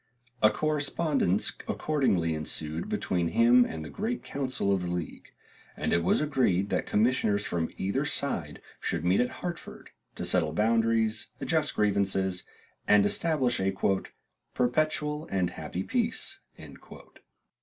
A correspondence accordingly ensued between him and the great council of the league, and it was agreed that commissioners from either side should meet at Hartford, to settle boundaries, adjust grievances, and establish a "perpetual and happy peace."